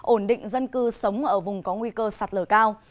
ổn định dân cư sống ở vùng có nguy cơ sạt lở cao